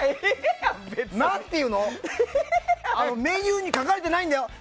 何ていうの、メニューに書かれてないんだよ。